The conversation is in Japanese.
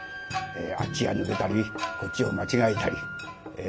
あっちが抜けたりこっちを間違えたり。